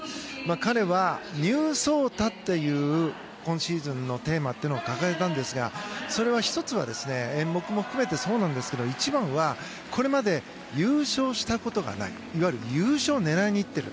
彼はニュー草太という今シーズンのテーマというのを掲げたんですが、それは１つは演目も含めてそうなんですが一番はこれまで優勝したことがないいわゆる優勝を狙いに行っている。